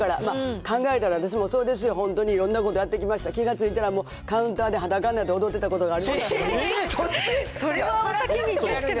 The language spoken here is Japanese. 考えたら私もそうですよ、本当にいろんなことやってきました、気がついたら、カウンターで裸になって踊ってたことがある。